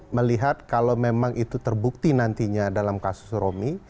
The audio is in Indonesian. melihat kalau memang itu terbukti nantinya dalam kasus romi